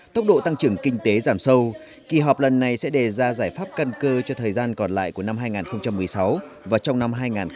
tốc độ tăng trưởng kinh tế giảm sâu kỳ họp lần này sẽ đề ra giải pháp căn cơ cho thời gian còn lại của năm hai nghìn một mươi sáu và trong năm hai nghìn hai mươi